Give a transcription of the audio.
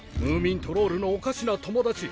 ムーミントロールのおかしな友達。